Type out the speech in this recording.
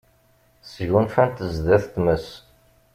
Sgunfant sdat tmes.